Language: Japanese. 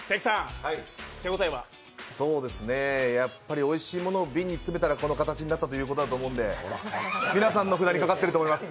やっぱりおいしいものを瓶に詰めたらこの形になったっていうことだと思うので、皆さんの札にかかっております